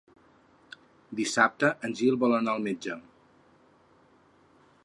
Dissabte en Gil vol anar al metge.